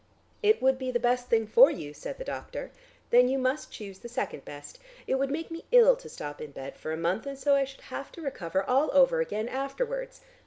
"It would be the best thing for you," said the doctor. "Then you must choose the second best. It would make me ill to stop in bed for a month, and so I should have to recover all over again afterwards.